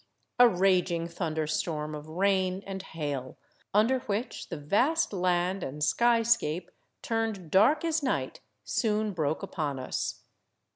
A raging thunder storm of rain and hail, under which the vast land and skyscape turned dark as night, soon broke upon us.